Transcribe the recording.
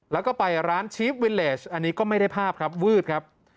แล้วก็ไปร้านชีฟวิเลสอันนี้ก็ไม่ได้ภาพครับวืดครับ